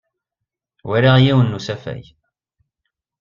Walaɣ yiwen n usafag.